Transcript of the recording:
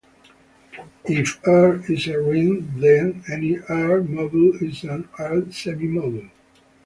If "R" is a ring, then any "R"-module is an "R"-semimodule.